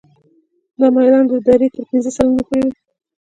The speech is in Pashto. دا میلان د درې تر پنځه سلنې پورې وي